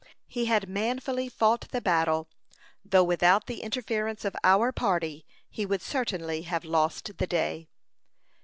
He had manfully fought the battle, though without the interference of our party he would certainly have lost the day.